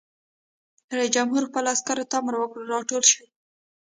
رئیس جمهور خپلو عسکرو ته امر وکړ؛ راټول شئ!